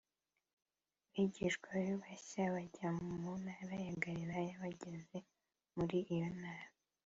bigishwa be bashya bajya mu ntara ya Galilaya Bageze muri iyo ntara